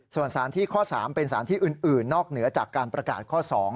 ส่วนสารที่ข้อ๓เป็นสารที่อื่นนอกเหนือจากการประกาศข้อ๒